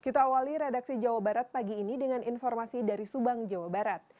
kita awali redaksi jawa barat pagi ini dengan informasi dari subang jawa barat